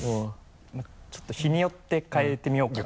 まぁちょっと日によって変えてみようかなと。